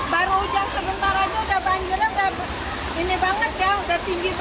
baru hujan sebentar aja udah banjirnya